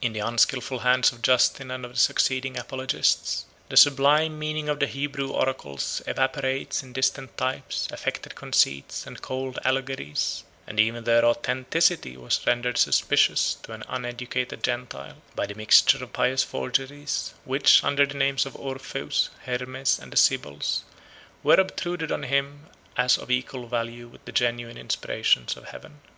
192 In the unskilful hands of Justin and of the succeeding apologists, the sublime meaning of the Hebrew oracles evaporates in distant types, affected conceits, and cold allegories; and even their authenticity was rendered suspicious to an unenlightened Gentile, by the mixture of pious forgeries, which, under the names of Orpheus, Hermes, and the Sibyls, 193 were obtruded on him as of equal value with the genuine inspirations of Heaven.